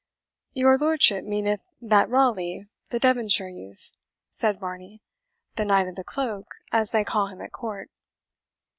"Your lordship meaneth that Raleigh, the Devonshire youth," said Varney "the Knight of the Cloak, as they call him at court?"